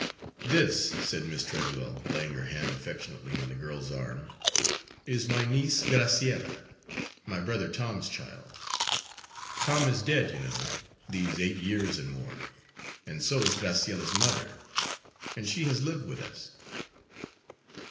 "This," said Miss Treadwell, laying her hand affectionately on the girl's arm, "is my niece Graciella my brother Tom's child. Tom is dead, you know, these eight years and more, and so is Graciella's mother, and she has lived with us."